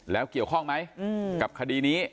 แล้วเกี่ยวข้องไหมกับคดีนี้